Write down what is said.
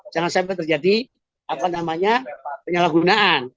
jangan sampai terjadi apa namanya penyalahgunaan